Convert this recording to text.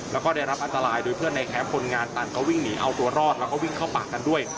แล้วก็ได้รับอันตรายโดยเพื่อนในแคมป์คนงานต่างก็วิ่งหนีเอาตัวรอดแล้วก็วิ่งเข้าปากกันด้วย